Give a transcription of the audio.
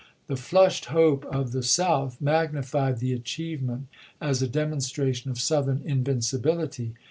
The flushed hope of the South magnified the achievement as a demonstra tion of Southern invincibility.